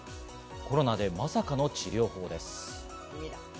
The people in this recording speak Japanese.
コロナでまさかの治療法です。